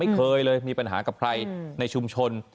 เคยเลยมีปัญหากับใครในชุมชน